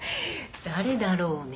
誰だろうね？